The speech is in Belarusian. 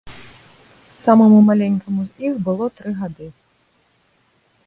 Самаму маленькаму з іх было тры гады.